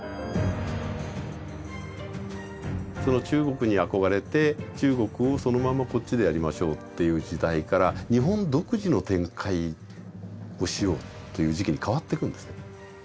中国に憧れて中国をそのままこっちでやりましょうっていう時代から日本独自の展開をしようという時期に変わっていくんですね。